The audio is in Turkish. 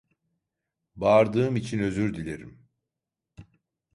Bağırdığım için özür dilerim.